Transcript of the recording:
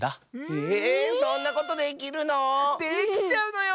えそんなことできるの⁉できちゃうのよ。